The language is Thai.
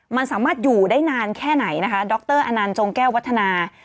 มันสามารถอยู่ได้นานแค่ไหนนะคะดรอนันต์จงแก้ววัฒนา